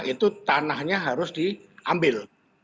itu tanahnya harus diambil